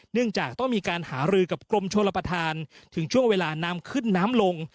เนื่องจากต้องมีการหารือกับกรมชลประธานถึงช่วงเวลาน้ำขึ้นน้ำลง